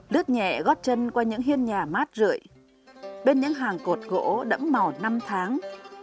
lướt nhẹ gót chân qua những hiên nhà mát rượi bên những hàng cột gỗ đẫm màu năm tháng